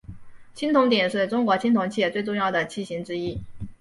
青铜鼎是中国青铜器最重要的器形之一。